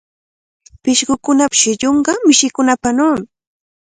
Pishqukunapa shillunqa mishikunapanawmi.